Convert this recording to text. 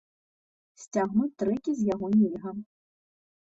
Сцягнуць трэкі з яго нельга.